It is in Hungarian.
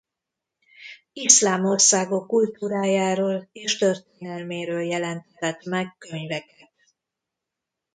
Iszlám országok kultúrájáról és történelméről jelentetett meg könyveket.